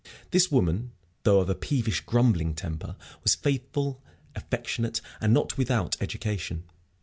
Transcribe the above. This woman, though of a peevish, grumbling temper, was faithful, affectionate, and not without education.